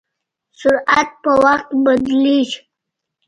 سرعت په وخت بدلېږي.